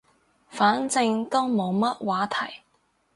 反正都冇乜話題